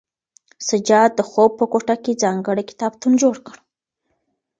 سجاد د خوب په کوټه کې ځانګړی کتابتون جوړ کړ.